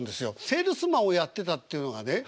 セールスマンをやってたっていうのがね